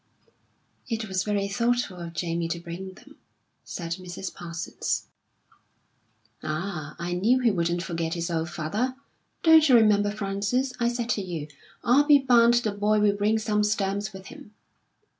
"It was very thoughtful of Jamie to bring them," said Mrs. Parsons. "Ah, I knew he wouldn't forget his old father. Don't you remember, Frances, I said to you, 'I'll be bound the boy will bring some stamps with him.'